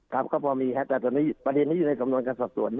ครับก็พอมีค่ะแต่ประเด็นที่อยู่ในสำนวนการสอบสวน